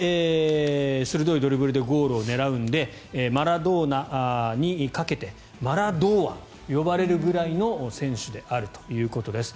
鋭いドリブルでゴールを狙うのでマラドーナにかけてマラドーアンと呼ばれるくらいの選手であるということです。